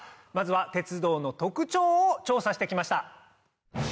まずは鉄道の特徴を調査して来ました。